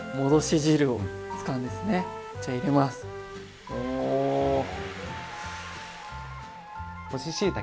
じゃ入れます。